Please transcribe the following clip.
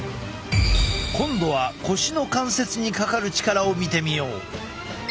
今度は腰の関節にかかる力を見てみよう。